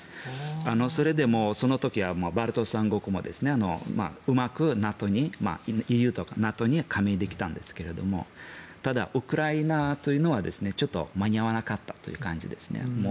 それでその時はバルト三国もうまく、ＥＵとかＮＡＴＯに加盟できたんですがただ、ウクライナというのはちょっと間に合わなかったという感じですね。